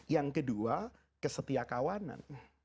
yang kedua kesetiakawanan